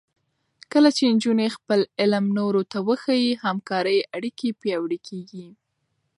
کله چې نجونې خپل علم نورو ته وښيي، همکارۍ اړیکې پیاوړې کېږي.